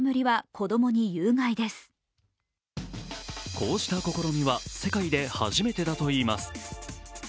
こうした試みは世界で初めてだといいます。